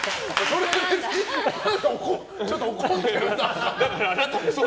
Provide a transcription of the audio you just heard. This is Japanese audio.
ちょっと怒ってる？